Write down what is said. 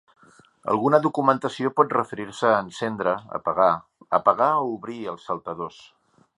Alguna documentació pot referir-se a encendre, apagar, apagar o obrir els saltadors.